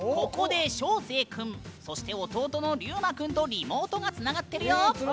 ここで翔星君そして弟の龍馬君とリモートがつながってるよ。